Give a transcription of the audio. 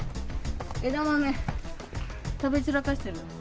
枝豆、食べ散らかしてる。